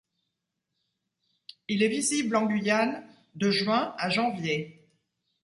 Il est visible en Guyane de juin à janvier.